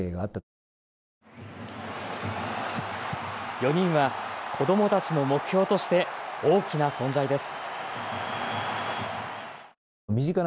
４人は子どもたちの目標として大きな存在です。